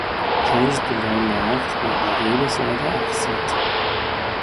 پنج دلار نقد و بقیه به صورت اقساط